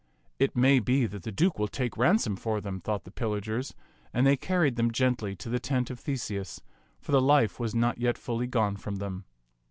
"It may be that the Duke will take ransom for them," thought the pillagers, and they car ried them gently to the tent of Theseus, for the life was not yet fully gone from them.